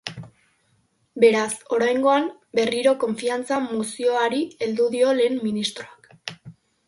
Beraz, oraingoan berriro konfiantza mozioari heldu dio lehen ministroak.